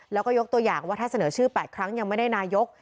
แล้วก็ยกตัวอย่างว่าถ้าเสนอชื่อ๘ครั้งยังไม่ได้นายก